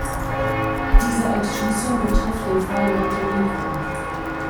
Diese Entschließung betrifft den Fall Montenegro.